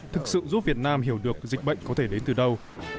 thực sự giúp việt nam hiểu được dịch bệnh có thể đến từ đâu